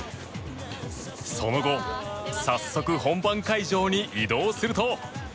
その後、早速本番会場に移動すると。